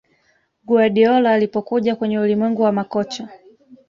Guardiola alipokuja kwenye ulimwengu wa makocha